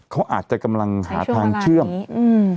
เขาอาจจะกำลังหาทางเชื่อมในช่วงเวลานี้อืม